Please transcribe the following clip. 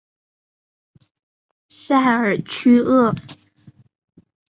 塞尔屈厄。